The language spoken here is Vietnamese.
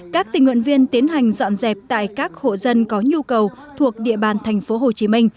các tình nguyện viên tiến hành dọn dẹp tại các hộ dân có nhu cầu thuộc địa bàn tp hcm